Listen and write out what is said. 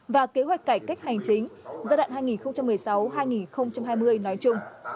và kế hoạch cải cách hành chính giai đoạn hai nghìn một mươi sáu hai nghìn hai mươi nói chung